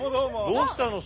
どうしたの。